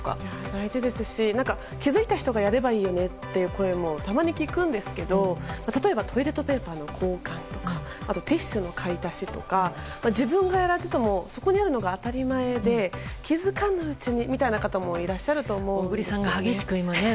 大事ですし気づいた人がやればいいよねっていう声もたまに聞くんですけど例えばトイレットペーパーの交換とかティッシュの書い足しとか自分がやらずともそこにあるのが当たり前で気づかないうちにみたいな方もいらっしゃると思うんですよね。